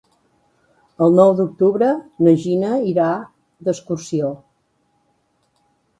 El nou d'octubre na Gina irà d'excursió.